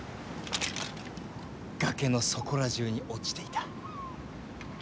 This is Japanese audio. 崖のそこら中に落ちていた。